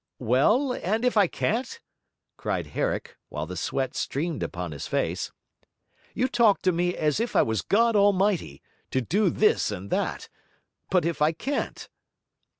'Well, and if I can't?' cried Herrick, while the sweat streamed upon his face. 'You talk to me as if I was God Almighty, to do this and that! But if I can't?'